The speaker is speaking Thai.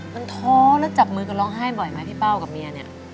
มันท้อแล้วจับมือกันร้องไห้บ่อยไหมพี่เป้ากับเมียเนี่ย